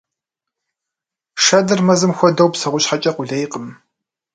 Шэдыр мэзым хуэдэу псэущхьэкӀэ къулейкъым.